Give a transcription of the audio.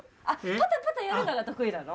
パタパタやるのが得意なの？